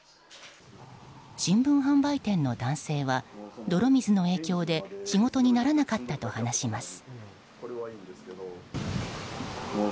新聞販売店の男性は泥水の影響で仕事にならなかったと話します。